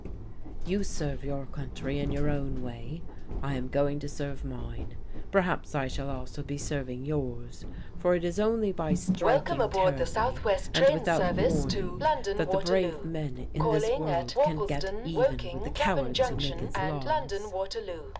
"You serve your country in your own way. I am going to serve mine. Perhaps I shall also be serving yours; for it is only by striking terribly and without warning that the brave men in this world can get even with the cowards who make its laws.